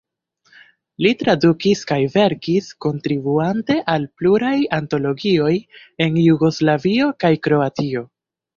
Li tradukis kaj verkis, kontribuante al pluraj antologioj en Jugoslavio kaj Kroatio.